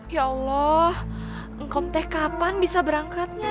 ya allah engkau enteh kapan bisa berangkatnya ya